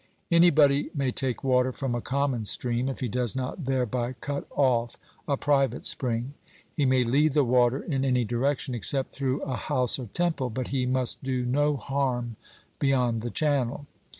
Anybody may take water from a common stream, if he does not thereby cut off a private spring; he may lead the water in any direction, except through a house or temple, but he must do no harm beyond the channel.